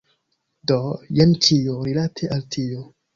Do, jen ĉio, rilate al tio.